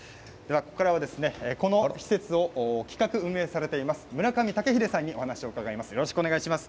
ここからはこの施設を企画運営されています村上豪英さんにお話を伺います。